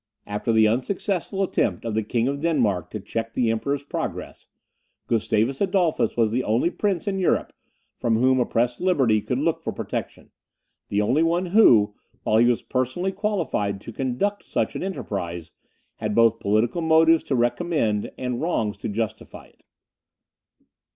After the unsuccessful attempt of the King of Denmark to check the Emperor's progress, Gustavus Adolphus was the only prince in Europe from whom oppressed liberty could look for protection the only one who, while he was personally qualified to conduct such an enterprise, had both political motives to recommend and wrongs to justify it.